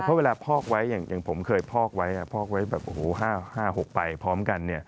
เพราะเวลาพอกไว้อย่างผมเคยพอกไว้พอกไว้แบบ๕๖ไปพร้อมกัน